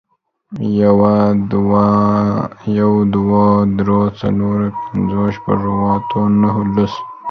يوه، دوو، درو، څلورو، پنځو، شپږو، اوو، اتو، نهو، لسو